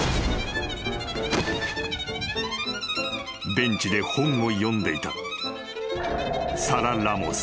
［ベンチで本を読んでいたサラ・ラモス。